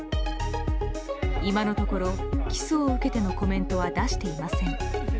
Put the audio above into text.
今のところ起訴を受けてのコメントは出していません。